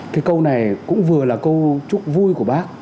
cái câu này cũng vừa là câu chúc vui của bác